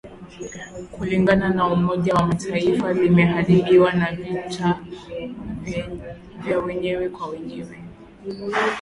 kulingana na Umoja wa mataifa limeharibiwa na vita vya wenyewe kwa wenyewe